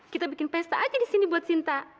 kita bikin pesta aja disini buat sinta